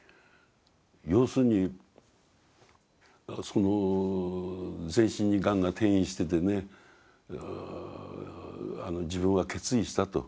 要するにその全身にがんが転移しててね自分は決意したと。